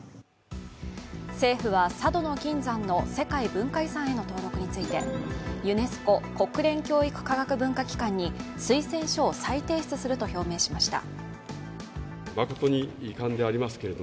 政府は佐渡島の金山の世界文化遺産への登録についてユネスコ＝国連教育科学文化機関に推薦書を再提出すると表明しました。